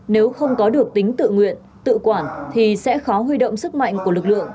nếu không có được tính tự nguyện tự quản thì sẽ khó huy động sức mạnh của lực lượng